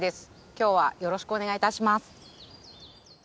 今日はよろしくお願いいたします。